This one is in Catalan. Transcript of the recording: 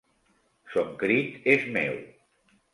Son crit és meu.